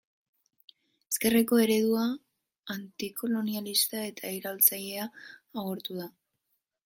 Ezkerreko eredua, antikolonialista eta iraultzailea agortu da.